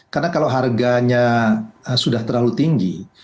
karena kalau harganya sudah terlalu tinggi